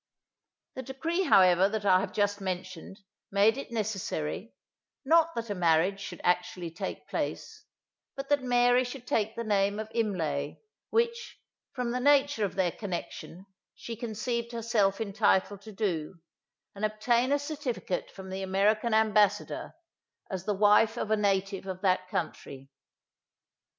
The decree however that I have just mentioned, made it necessary, not that a marriage should actually take place, but that Mary should take the name of Imlay, which, from the nature of their connexion, she conceived herself entitled to do, and obtain a certificate from the American ambassador, as the wife of a native of that country.